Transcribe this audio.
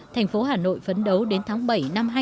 thành phố hà nội phấn đấu đến tháng bảy năm hai nghìn một mươi sáu